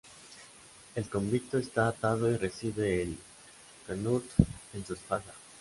El convicto está atado y recibe el knut en su espalda.